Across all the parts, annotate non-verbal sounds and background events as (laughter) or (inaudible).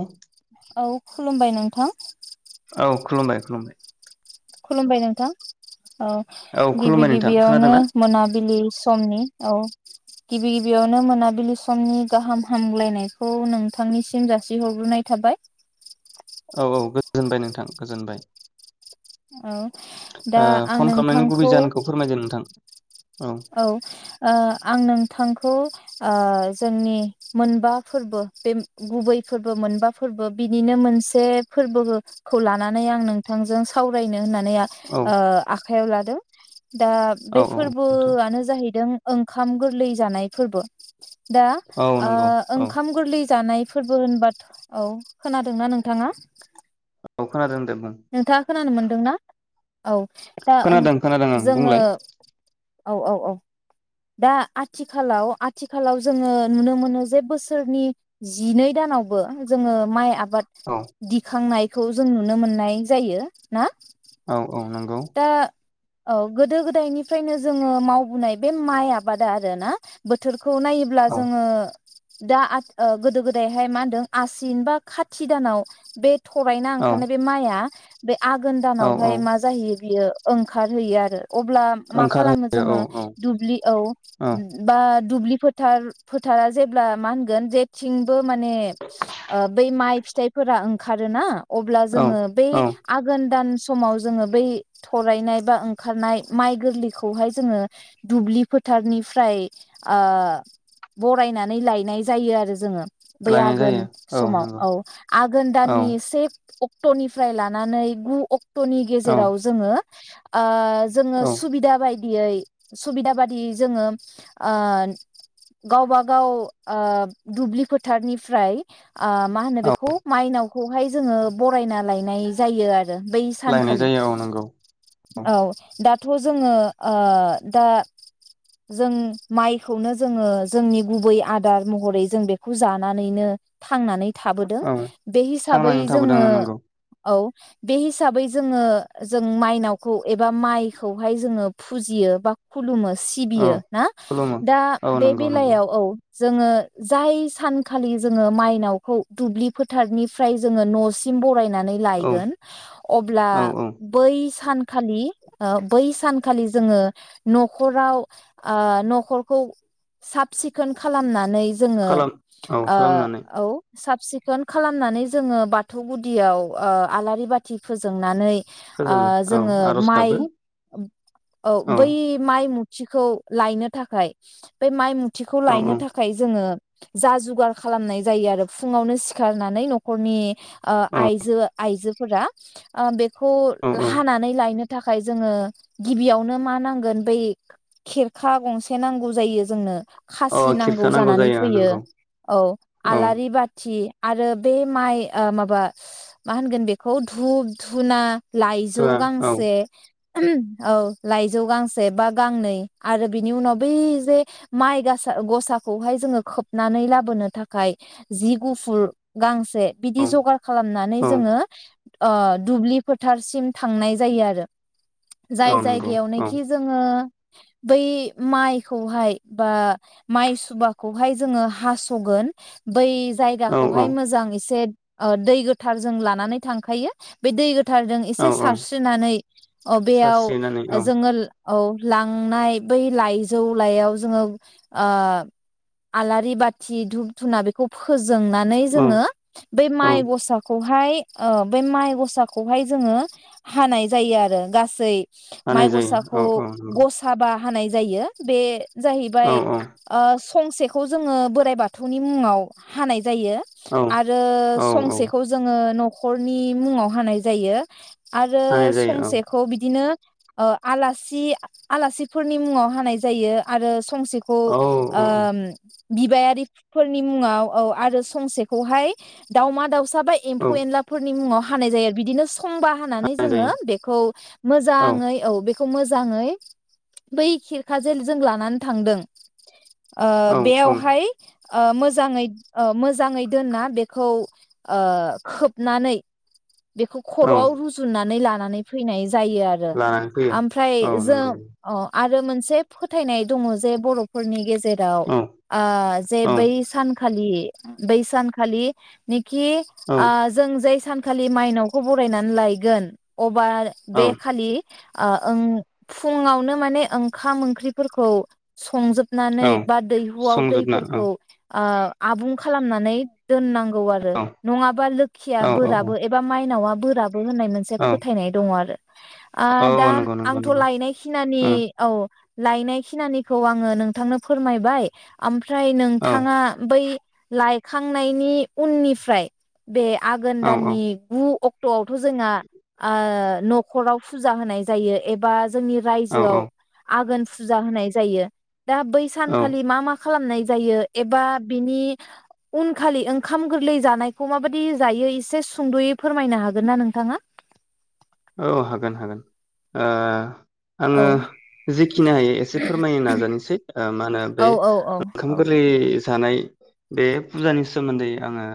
औ औ खुलुमबाय नों थां औ खुलुमबाय खुलुमबाय खुलुमबाय नोंथां। औ औ गिबि खुलुमबाय नोंथां गिबियावनो खोनादोंना मोनाबिलि समनि औ गिबि गिबियावनो मोनाबिलि समनि गाहाम हामग्लायनायखौ नोंथांनिसिम जासिहरग्रोनाय थाबाय। औ औ गोजोनबाय नोंथां गोजोनबाय। औ दा ओ आं फन खालामनायनि गुबै नोंथांखौ जाहोनखौ फोरमायदो नोंथां औ ओ आं नोंथांखौ ओ जोंनि मोनबा फोरबो बे गुबै फोरबो मोनबा फोरबो बिनिनो मोनसे फोरबोखौ लानानै आं नोंथांजों सावरायनो होनना नै ओ औ आ खाइयाव लादों। दा औ बे औ फोर नोंथां बोआनो जाहैदों ओंखाम गोरलै जानाय फोरबो। दा औ ओ नंगौ औ ओंखाम गोरलै जानाय फोरबो होनबा औ खोनादोंना नोंथाङा? औ खोनादो होनदोम नोंथाङा खोनानो मोनदों ना? औ दा ओं खोनादों खोनादों ओं जोङो बुंलाय औ औ औ। दा आथिखालाव आथिखालाव जोङो नुनो मोनो जे बोसोरनि जिनै दानावबो जोङो माइ आ औ बाद दिखांनाय खौ जों नुनो मोननाय जायो ना? औ औ नों दा औ गोदो गोदायनिफ्रायनो जोङो मावबोनाय बे माइ आबाद आरो ना बोथोर खौ नायोब्ला औ जोङो दा आद ओ गोदो गोदायहाय मा होनदों आसिन बा खाथि दानाव बे थरायना औ ओंखारनाय बे माइआ बे आघोन औ औ दानावहाय मा जाहैयो बियो ओंखारहैयो आरो अब्ला मा खालामो ओंखारहोयो औ जोङो औ दुब्लियाव औ बा दुब्लि फोथार फोथारा जेब्ला मा होनगोन जेथिंबो माने बेै माइ फिथाइफोरा ओंखारोना अब्ला औ जोङो बे औ आघोन दान समाव जोङो बै थरायनाय बा ओंखारनाय माइ गोरलैखौहाय जोङो दुब्लि फोथारनिफ्राय बरायनानै लायनाय जायो आरो जोङो बै लायनाय आघोन जायो समाव नंगौ औ आघोन औ दाननि इसे अक्ट' निफ्राय लानानै गु अक्ट 'नि औ गेजेराव हो ओ जोङो औ सुबिदा बायदि सुबिदा बादियै जोङो गावबा गाव दुब्लि फोथारनिफ्राय मा होनो औ बेखौ मायनावखौहाय जोङो बरायना लायनाय जायो आरो बै लायनाय सानखालि जायो औ नंगौ औ दा थ' जोङो दा जों माइखौनो जोङो जोंनि गुबै आदार महरै जों बेखौ जानानैनो थांनानै थाबोदों औ बे हिसाबै थांनानै थाबोदों जोङो नंगौ औ बे हिसाबै जोङो जों माइनावखौ एबा माइखौहाय जोङो फुजियो बा खुलुमो औ सिबियो ना खुलुमो दा औ बे नंगौ नंगौ बेलायाव औ जोङो जाय सानखालि जोङो माइनावखौ दुब्लि फोथारनिफ्राय जोङो न'सिम बरायनानै औ लायगोन अब्ला औ औ बै सानखालि बै सानखालि जोङो न'खराव नखरखौ साब सिखोन खालामनानै जोङो खालाम खालामनानै औ साब सिखोन खालामनानै जोङो बाथौ गुदियाव ओ आलारि बाथि फोजोंनानै ओ फोजोङो औ जोङो आर'ज माइ गाबो ओ औ बै माइ मु थिखौ लायनो थाखाय बे माइ मु थिखौ औ लायनो थाखाय जोङो जा जुगार खालामनाय जायो आरो फुङावनो सिखारनानै न'खरनि आ औ आइजो आइजो फोरा बे खौ औ औ हानानै लायनो थाखाय जोङो गिबियावनो मा नांगोन बै खेरखा गंसे नांगौ जायो जोंनो अ खासि खिरखा नांगौ जानानै जायो फैयो नंगौ औ औ आलारि बाथि आरो बे माइ ओ माबा मा होनगोन बेखौ धुपु धुना लाइजौ थुवा औ गांसे औ लाइजौ गांसे बा गांनै आरो बिनि उनाव बै जे माइ गसा गसाखौहाय जोङो खोबनानै लाबोनो थाखाय जि गुफुर गांसे औ बिदि जगार खालामनानै औ जोङो आ दुब्लि फोथारसिम थांनाय जायो आरो जाय औ नंगौ औ जायगायावनोखि जोङो बै माइखौहाय बा माइ सुबाखौहाय जोङो हास'गोन बै औ औ जायगाखौहाय मोजां एसे ओ दै गोथार जों लानानै थांखायो बे दै गो थारजों औ एसे औ सारस्रिनानै बेयाव सास्रिनानै औ जोङो औ लांनाय बै लाइजौ लाइयाव जोङो आलारि बाथि धुप धुना बेखौ फोजो जोंनानै औ जोङो बै औ माइ गसाखौ बे माइ गसा खौहाय जोङो हानाय जायो आरो गासै माइ हानाय जायो औ गसाखौ औ नंगौ गसाबा हानाय जायो बे जाहैबाय औ औ ओ फंसेखौ जोङो बोराइ बाथौनि मुङाव हानाय जायो औ आरो औ औ संसेखौ जोङो नख'रनि मुङाव हानाय जायो। आरो हानाय जायो औ संसेखौ बिदिनो ओ आलासि आलासिफोरनि मुङाव हानाय जायो आरो फंसेखौ औ ओ औ बिबायारिफोरनि मुङाव औ आरो संसेखौहाय दावमा दावसा जाबाय औ एम्फौ एनलाफोरनि मुङाव हानाय जायो आरो बिदिनो खंबा हानानै हानाय जोङो जायो बेखौ मोजाङै औ बेखौ मोजाङै बै खिरखाजों जों लानानै थांदों ओ औ औ बेयावहाय ओ मोजाङै ओ मोजाङै दोनना बेखौ ओ खोबनानै बेखौ औ खर'आव रुजुननानै ला नानै फैनाय जायो आरो लानानै फैयो ओमफ्राय औ जों नंगौ अ आरो मोनसे फोथायनाय दङ जे ब'फोरनि गेजे राव औ ओ जे औ बै सान खालि बै‌ सान खालि नि खि औ ओ जों जाय खालि माइनावखौ बरायनानै लायगोन अबार औ बे खालि आ ओं फुङावनो माने ओंखाम ओंख्रिफोरखौ संजोब औ नानै बा दैहुआव संजोबना औ दैफोरखौ ओ आबुं खालामनानै दोननांगौ आरो औ नङाबा लोखिया औ औ बोराब मायनावा बोराब होननाय मोनसे औ फोथायनाय दङ आरो आ दा औ नंगौ नंगौ आंथ‌' नंगौ लायनाय खिनानि औ लायनाय खिनानिखौ आङो नोंथांनो फोरमायबाय आम फ्राय औ नोंथाङा बै लाइ खांनायनि उननिफ्राय बे आ औ औ दाननि गु अक्ट आव जोंहा ओ नख'राव फुजा होनाय जायो एबा जोंनि औ रायजोआव आगोन फुजा होनाय जायो दा बै औ सानखालि मा मा खालामनाय जायो एबा बिनि उनखालि ओंखाम गोरलै जानायखौ माबादि जायो ए से सुंद'यै फोरमायनो हागोन ना नोंथाङा औ हागोन हागोन ओ औ आङो जिखिनि हायो एसे फोरमायनो नाजानोसै ओ मा होनो औ बै औ औ ओंखाम औ गोरलै जानाय बे फुजानि सोमोन्दै आङो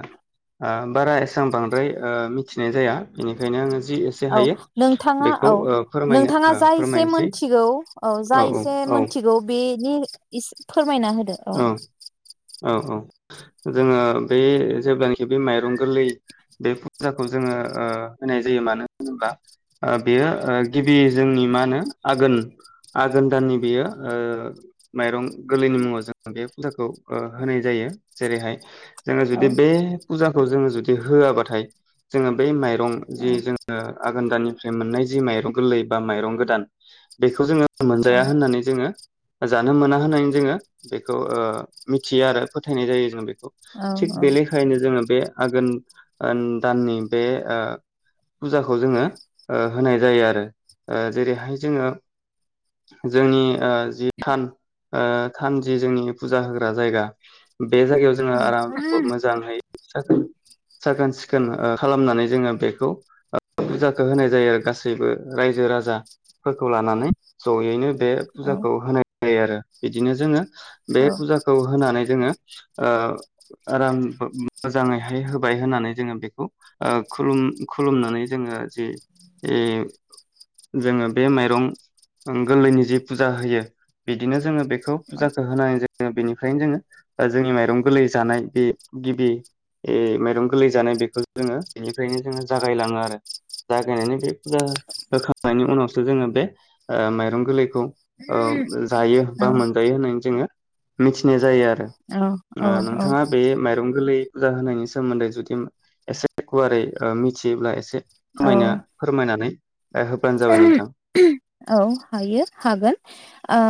ओ बारा एसां बांद्राय ओ मिथिनाय जाया बेनिखायनो आङो जि एसे औ हायो नोंथाङा बेखौ औ ओ फोरमायनो नोंथाङा ओ जा एसे फोरमायनोसै मोनथिगौ औ जा एसे मोनथिगौ बे बि (unintelligible) (unintelligible) होदो औ औ औ जोङो बे जेब्लानोखि बे माइरं गोरलै बे फुजाखौ जोङो होनाय जायो मानो होनोब्ला बेयो गिबि जोंनि मा होनो आघोन आघोन दाननि बेयो माइरं गोरलैनि मुङाव जों बे फुजाखौ होनाय जायो जेरैहाय जोङो जुदि औ बे फुजाखौ जोङो जुदि होआबाथाय जोङो बे माइ रं औ जि जोङो आघोन दानि मोननाय जि माइरं गोरलै बा माइरं गोदान बेखौ जोङो औ मोनजाया होननानै जोङो जानो मोना होननानै जोङो बेखौ मिथियो आरो फोथायनाय जायो जों बेखौ थिग औ बेलेखायैनो जोङो बे आघोन दाननि बे फुजाखौ जोङो होनाय जायो आरो ओ जेरैहाय जोङो जोंनि ओ जि सान ओ (unintelligible) जोंनि फुजा होग्रा जायगा बे जायगायाव जोङो आराम मोजाङै (unintelligible) साखोन सिखोन खालामनानै जोङो बेखौ फुजाखौ होनाय जायो आरो गासैबो रायजो राजाफोरखौ लानानै जयैनो बे औ फुजाखौ होनाय जायो आरो बिदिनो जोङो बे फुजाखौ होनानै जोङो ओ आराम मोजाङैहाय होबाय होननानै जोङो बेखौ ओ खुलुम-खुलुमनानै जोङो जि जोङो बे माइरं गोरलैनि जि फुजा होयो बिदिनो जोङो बे खौ फुजाखो होनानै जो बेनिफ्रायनो जोङो जोंनि माइरं गोरलै जानाय बे गिबि माइरं गोरलै जानाय बेखौ जोङो बेनिफ्रायनो जोङो जागायलाङो आरो जागायनानै बे फुजा होखांनायनि उनावसो जोङो बे माइरं ओ गोरलैखौ औ जायो बा मोनजायो होननानै जोङो मिथिनाय जायो आरो। ओ औ नोंथाङा बे माइरं गोरलै फुजा होनायनि सोमोन्दै जुदि एसे गुवारै ओ मिथियोब्ला एसे औ फोरमायनो फोरमायनानै ओ होब्लानो जाबाय नोंथां औ हायो हागोन ओ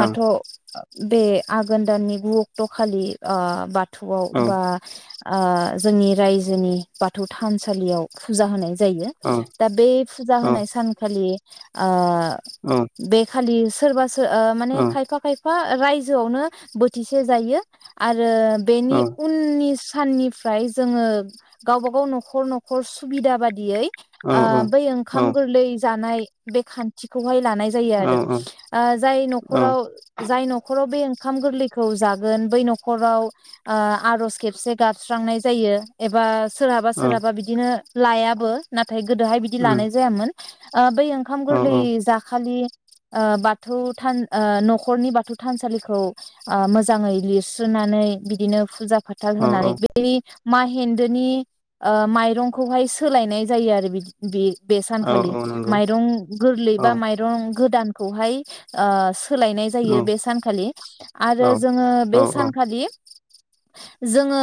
ओं बे आघोन दाननि गु अक्ट' खालि ओ बा थौआव औ बा ओ जोंनि रायजोनि बाथौ थानसालियाव फुजा होनाय जायो औ दा बे फुजा औ होनाय सम खालि आ औ बे खालि सोरबा सो ओ औ माने खायफा खायफा रायजोआवनो बोथिसे जायो आर रो औ बेनि उननि साननिफ्राय जोङो गावबा गाव न'खर न'खर सुबिदा बादियै आ औ औ बै औ ओंखाम लै जानाय बे खान्थिखौहाय लानाय जायो उम आरो ओ जाय न'खराव जाय न'खराव बे ओं खाम गोरलैखौ जागोन बै न'खराव ओ आर'ज खेबसे गाबस्रांनाय जायो एबा सोरहाबा सोरहाबा बिदिनो लायाबो ना थाय गोदोहाय बिदि लानाय जायामोन। ओ बै ओंखाम औ गोरलै जाखालि ओ बाथौ थान ओ न'खरनि बाथौ थानसालिखौ आ मोजाङै लिरस्रोननानै बिदिनो फुजा फाथाल औ होननानै औ बै माहेन्दोनि ओ माइरंखौहाय सोलायनाय जायो आरो बिदि बे बेस औ खालि औ नंगौ माइरं गोरलै औ बा माइरं गोदानखौहाय आ सोलायनाय औ जायो बे सानखालि आरो जोङो औ बे सानखालि जोङो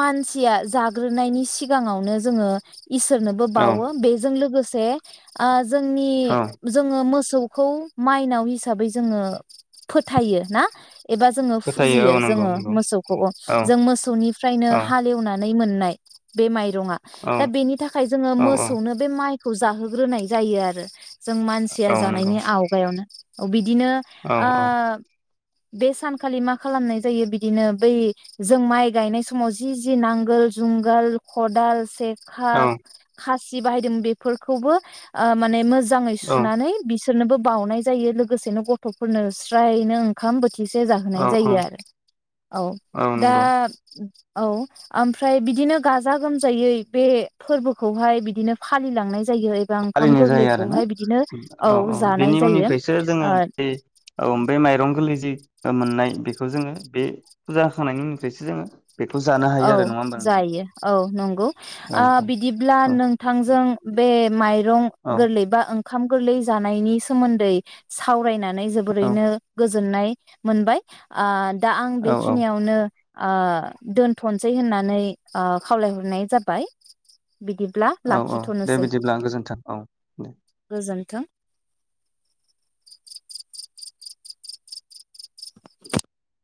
मानसिया जाग्रोनायनि सिगाङावनो जोङो इसोरनोबो औ बावो बेजों लोगोस से आ जोंनि औ जोङो मोस सौखौ माइनाव हिसाबै जोङो फोथायो। ना! एबा जोङो फोथायो फुजियो औ नंगौ जोङो नंगौ मोसौखौ अ औ जों मोसौनिफ्रायनो औ हालेवना नै मोननाय बै माइ रङा औ दा बेनि थाखाय जो मोसौनो बे माइ खौ जाहो ग्रोनाय जायो आरो। जों मानसिया औ नंगौ जानायनि आवगायावनो अ बि दिनो ओ बे सानखालि मा खालामनाय जायो बिदिनो बै जों माइ गायनाय समाव जि जि नांगोल जुंगाल खदाल से खा खा सि बाहायदों बेफोरखौबो आ माने मोज जाङै सुनानै बि सोरनोबो बाउनाय जायो लोगोसेनो गथ'फोरनो स्रायनो ओंखाम बोथि थिसे जाहोनाय जायो आरो। औ दा औ ओमफ्राय बिदिनो गाजा गोमजायै बे फोरबोखौहाय बिदिनो फालिलांनाय जायो। एबा ओंखाम फालिनाय जायो आरोना गोरलैखौहाय बिदिनो उम औ औ जानाय बेनि जायो उननिफ्रायसो जोङो ओ बे औ बे माइरं गोरलै जि मोननाय बेखौ जोङो बे फुजा होखांनायनि उनफ्रायसो जोङो बेखौ जानो हायो औ आरो नङा होमबा नोंथां जायो औ नंगौ औ आ औ बिदिब्ला औ नोंथांजों बे माइरं औ गोरलैबा ओंखाम गोरलै जानायनि सोमोन्दै सावरायना नै औ जोबोरैनो गोज जोननाय मोनबाय आ दा आं औ औ बेखिनियावनो आ दोन थनसै होननानै खावलायहरनाय जाबाय। बिदिब्ला औ औ दे लाखिथ'नोसै बिदिब्ला गोजोन्थों औ दे। थों (inaudible)